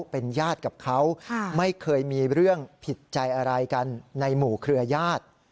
เป็นญาติกับเขาไม่เคยมีเรื่องผิดใจอะไรกันในหมู่เครือญาติ